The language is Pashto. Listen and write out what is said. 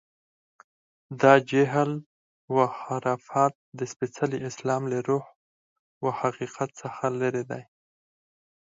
دا جهل و خرافات د سپېڅلي اسلام له روح و حقیقت څخه لرې دي.